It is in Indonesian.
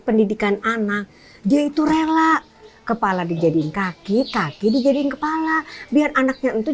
pendidikan anak dia itu rela kepala dijadiin kaki kaki dijadiin kepala biar anaknya untuk